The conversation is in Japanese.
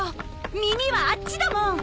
耳はあっちだもん！